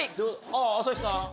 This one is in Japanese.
あっ朝日さん？